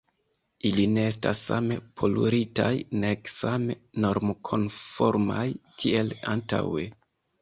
Ili ne estas same poluritaj, nek same normkonformaj kiel antaŭe.